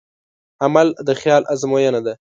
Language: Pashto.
عمل د خیال ازموینه ده.